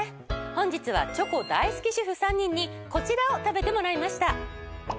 本日はチョコ大好き主婦３人にこちらを食べてもらいました。